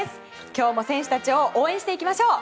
今日も選手たちを応援していきましょう。